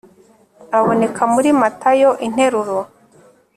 aboneka muri matayo interuro